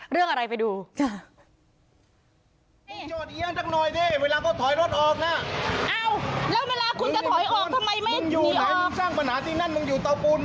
เรื่องอะไรไปดู